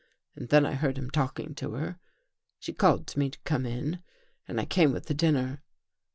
And then I heard him talking to her. 245 THE GHOST GIRL She called to me to come in and I came with the dinner.